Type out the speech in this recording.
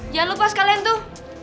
jangan lupa sekalian tuh